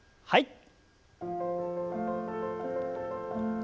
はい。